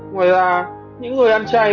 ngoài ra những người ăn chay